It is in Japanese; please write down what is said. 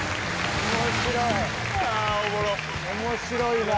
面白い。